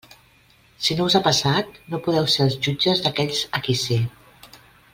Si no us ha passat, no podeu ser els jutges d'aquells a qui sí.